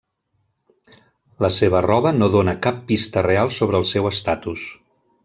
La seva roba no dóna cap pista real sobre el seu estatus.